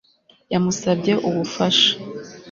Yamusabye ubufasha